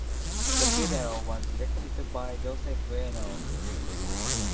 The video was directed by Jose Bueno.